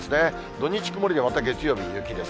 土日、曇りで、また月曜日に雪です。